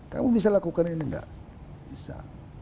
kamu bisa lakukan ini enggak bisa